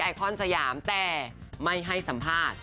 คอนสยามแต่ไม่ให้สัมภาษณ์